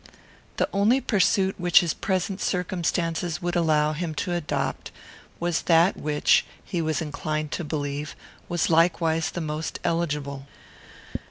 The only pursuit which his present circumstances would allow him to adopt was that which, he was inclined to believe, was likewise the most eligible.